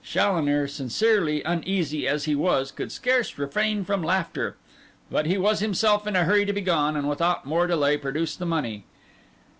Challoner, sincerely uneasy as he was, could scarce refrain from laughter; but he was himself in a hurry to be gone, and without more delay produced the money.